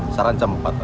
sekarang jam empat